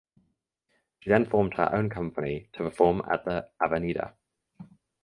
She then formed her own company to perform at the "Avenida".